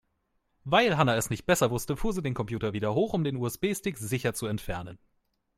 Weil Hanna es nicht besser wusste, fuhr sie den Computer wieder hoch, um den USB-Stick sicher zu entfernen.